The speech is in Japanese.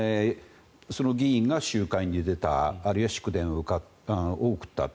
その議員が集会に出たあるいは祝電を送った。